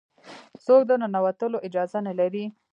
څوک د ننوتلو اجازه نه لري.